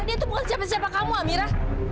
dia itu bukan siapa siapa kamu amira